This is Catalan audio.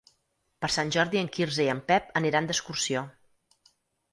Per Sant Jordi en Quirze i en Pep aniran d'excursió.